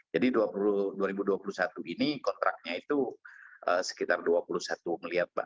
jadi dua ribu dua puluh satu ini kontraknya itu sekitar dua puluh satu melihat mbak